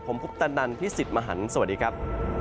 ผมพุทธนันทร์พิสิทธิ์มหันฯสวัสดีครับ